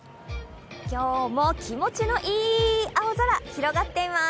今日も気持ちのいい青空、広がっています。